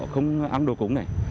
không ăn đồ củng này